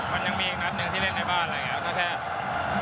มันยังมีอีกนัดหนึ่งที่เล่นในบ้านอะไรอย่างนี้ก็แค่